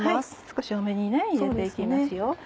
少し多めに入れて行きますよ。